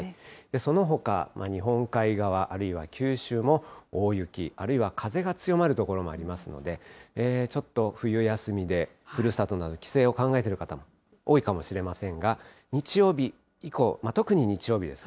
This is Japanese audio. そのほか、日本海側、あるいは九州も大雪、あるいは風が強まる所もありますので、ちょっと冬休みで、ふるさとなど、帰省を考えている方、多いかもしれませんが、日曜日以降、特に日曜日です。